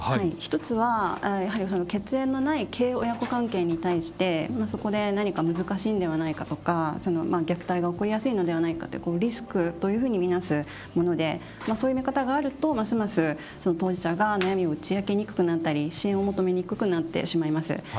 １つはやはりその血縁のない継親子関係に対してまあそこで何か難しいんではないかとかその虐待が起こりやすいのではないかリスクというふうに見なすものでまあそういう見方があるとますます当事者が悩みを打ち明けにくくなったり支援を求めにくくなってしまいます。